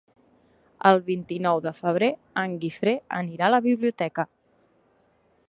El vint-i-nou de febrer en Guifré anirà a la biblioteca.